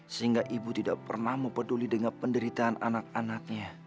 sehingga ibu tidak pernah mempeduli dengan penderitaan anak anaknya